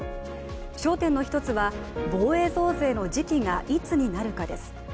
焦点の一つは防衛増税の時期がいつになるかです。